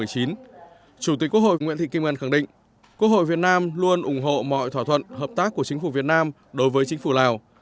chủ tịch quốc hội nguyễn thị kim ngân khẳng định quốc hội việt nam luôn ủng hộ mọi thỏa thuận hợp tác của chính phủ việt nam đối với chính phủ lào